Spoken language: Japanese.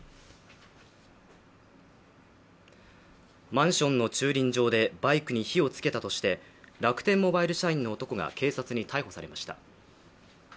マンションの駐輪場でバイクに火をつけたとして楽天モバイル社員の男が警察に逮捕されました。